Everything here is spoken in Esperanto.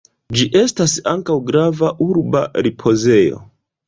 Ĝi estas ankaŭ grava urba ripozejo.